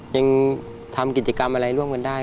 ยังทำกิจกรรมอะไรร่วมกันได้